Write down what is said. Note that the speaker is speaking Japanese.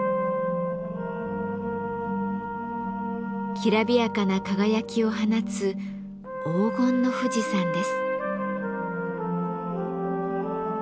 きらびやかな輝きを放つ黄金の富士山です。